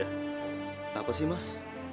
kenapa sih mas